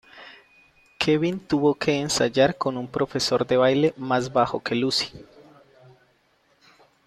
Kevin tuvo que ensayar con un profesor de baile más bajo que Lucy.